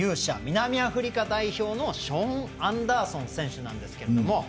南アフリカ代表のショーン・アンダーソン選手なんですけど。